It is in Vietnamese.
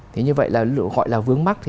thế như vậy gọi là vướng mắt